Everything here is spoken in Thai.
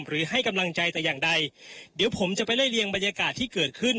หรือให้กำลังใจแต่อย่างใดเดี๋ยวผมจะไปไล่เรียงบรรยากาศที่เกิดขึ้น